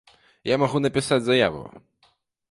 Я магу напісаць заяву.